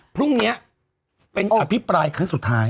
พรุ่งนี้เป็นอภิปรายครั้งสุดท้าย